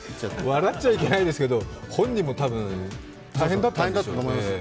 笑っちゃいけないですけれども本人もたぶん大変だったと思いますよ。